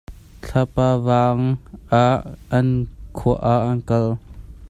Thlapa vang ah an khua ah an kal.